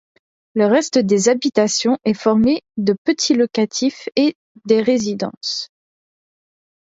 Le reste des habitations est formé de petits locatifs et des résidences.